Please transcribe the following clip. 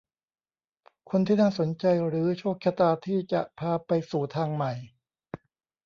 คนที่น่าสนใจหรือโชคชะตาที่จะพาไปสู่ทางใหม่